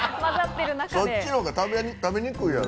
そっちのほうが食べにくいやろ。